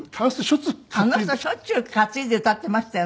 あの人しょっちゅう担いで歌ってましたよね。